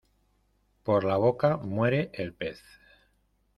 Por la boca muere el pez.